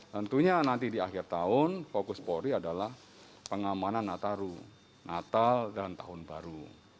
tentunya nanti di akhir tahun fokus polri adalah pengamanan nataru natal dan tahun baru